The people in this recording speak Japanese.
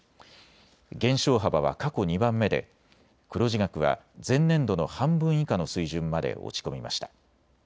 減少幅は過去２番目で黒字額は前年度の半分以下の水準まで落ち込みました。